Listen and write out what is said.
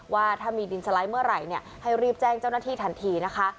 ว่าถ้ามีดินสไลด์เมื่อไหร่ให้รีบแจ้งเจ้าหน้าที่ทันทีนะคะ